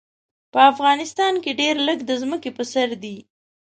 په افغانستان کې ډېر لږ د ځمکې په سر دي.